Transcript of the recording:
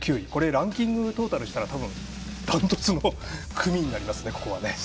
ランキングをトータルしたら多分、ダントツの組になりますね。